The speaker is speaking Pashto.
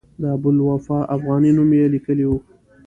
د ابوالوفاء افغاني نوم یې لیکلی و.